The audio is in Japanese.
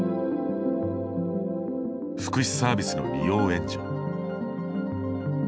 福祉サービスの利用援助。